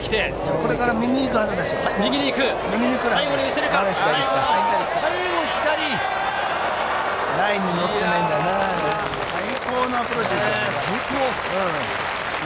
これから右に行くはずです。